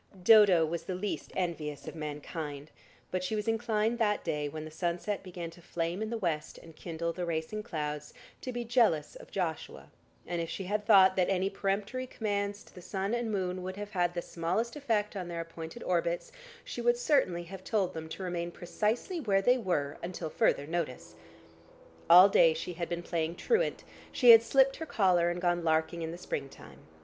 Dodo was the least envious of mankind, but she was inclined that day, when the sunset began to flame in the west and kindle the racing clouds, to be jealous of Joshua, and if she had thought that any peremptory commands to the sun and moon would have had the smallest effect on their appointed orbits, she would certainly have told them to remain precisely where they were until further notice. All day she had been playing truant; she had slipped her collar, and gone larking in the spring time.